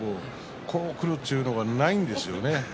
こうくるというのはないんですよね。